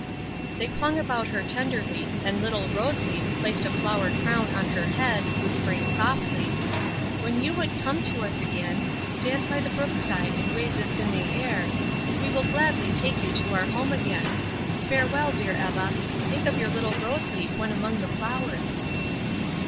They clung about her tenderly, and little Rose Leaf placed a flower crown on her head, whispering softly, "When you would come to us again, stand by the brook side and wave this in the air, and we will gladly take you to our home again. Farewell, dear Eva. Think of your little Rose Leaf when among the flowers."